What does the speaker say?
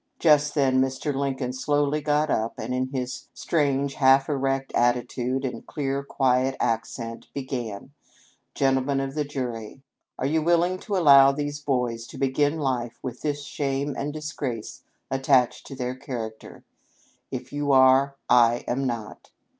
Just then, Mr. Lincoln slowly got up, and in his strange, half erect attitude and clear, quiet accent began :' Gentlejnen of the Jury, are you willing to allow these boys to begin life with this shame and disgrace attached to their char acter ? If you are, / am not.